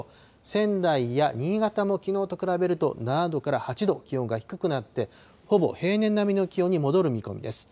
仙台や新潟もきのうと比べると７度から８度気温が低くなって、ほぼ平年並みの気温に戻る見込みです。